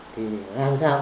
thì làm sao